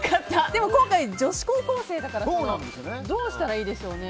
でも今回、女子高校生だからどうしたらいいでしょうね。